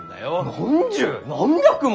何十何百も！？